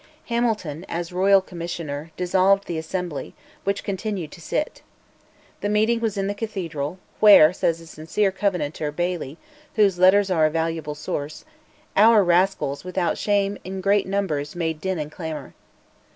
Hamilton, as Royal Commissioner, dissolved the Assembly, which continued to sit. The meeting was in the Cathedral, where, says a sincere Covenanter, Baillie, whose letters are a valuable source, "our rascals, without shame, in great numbers, made din and clamour."